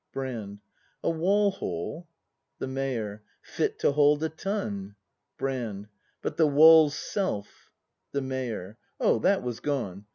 Brand. A wall hole ? The Mayor. Fit to hold a tun! Brand. But the wall's self ? The Mayor. Oh, that was gone.